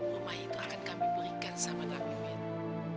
rumah itu akan kami berikan sama nabi iwin